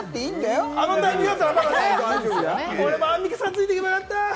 俺もアンミカさんに、ついて行けばよかった。